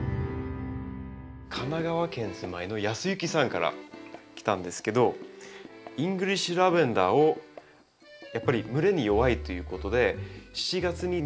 神奈川県お住まいのヤスユキさんから来たんですけどイングリッシュラベンダーをやっぱり蒸れに弱いということでというお悩みなんですけど。